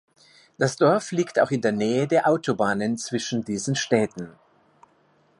Das Dorf liegt auch in der Nähe der Autobahnen zwischen diesen Städten.